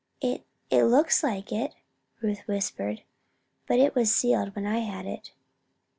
"It it looks like it," Ruth whispered. "But it was sealed when I had it."